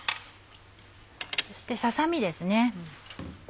そしてささ身ですね。